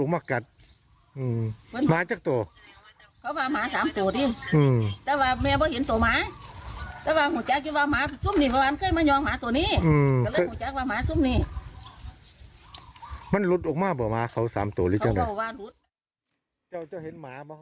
มันหลุดออกมาบอกมาเขา๓ตัวเลยจ้ะ